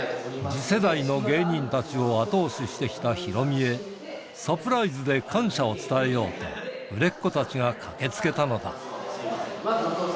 次世代の芸人たちを後押ししてきたヒロミへ、サプライズで感謝を伝えようと、売れっ子たちが駆けつけたのだ。